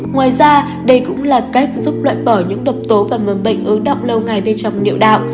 ngoài ra đây cũng là cách giúp loại bỏ những độc tố và mầm bệnh ứ động lâu ngày bên trong điệu đạo